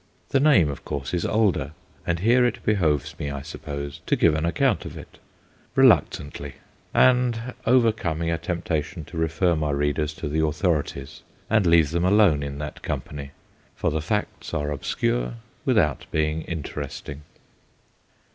The name, of course, is older; and here it be hoves me, I suppose, to give an account of it reluctantly, and overcoming a tempta tion to refer my readers to the authorities PICCADILLY HALL 3 and leave them alone in that company, for the facts are obscure, without being interesting.